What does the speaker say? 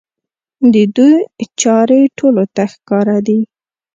د دوی چارې ټولو ته ښکاره دي.